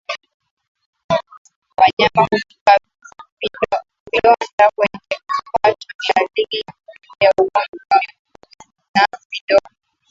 Wanyama kutoka vidonda kwenye kwato ni dalili muhimu ya ugonjwa wa miguu na midomo